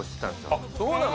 あっそうなの？